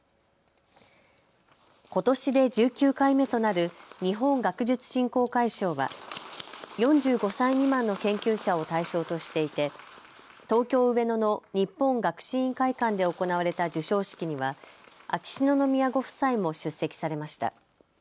ことしで１９回目となる日本学術振興会賞は４５歳未満の研究者を対象としていて東京上野の日本学士院会館で行われた授賞式には秋篠宮ご夫妻も出席されました。